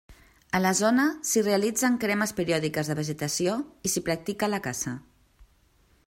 A la zona s'hi realitzen cremes periòdiques de vegetació i s'hi practica la caça.